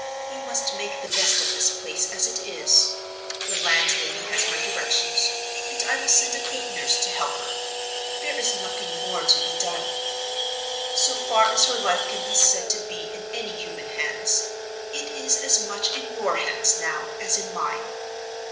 You must make the best of this place as it is. The landlady has my directions; and I will send a good nurse to help her. There is nothing more to be done. So far as her life can be said to be in any human hands, it is as much in your hands now as in mine.